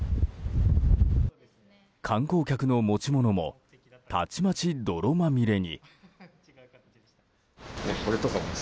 観光客の持ち物もたちまち、泥まみれに。